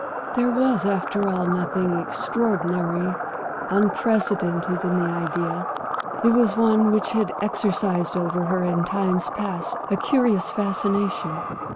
There was after all nothing extraordinary, unprecedented in the idea; it was one which had exercised over her in times past a curious fascination.